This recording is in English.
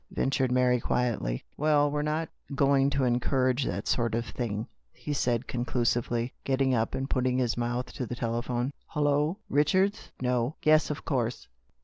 ventured Mary quietly. " Well, we're not going to encourage that sort of thing," he said conclusively, getting up and putting his mouth to the telephone. "Hullo! Eichards! No. Yes, yes, of course.